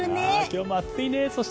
今日も暑いね。